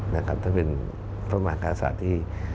นะครับท่านเป็นพระมหากาศาสตร์ที่